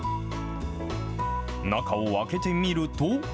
中を開けてみると。